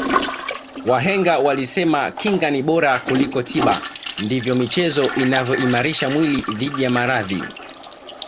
wahenga walisema kinga ni bora kuliko tiba ndivyo michezo inavyoimalisha mwili dhidi ya maradhi